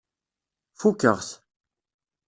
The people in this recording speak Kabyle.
Fukeɣ-t.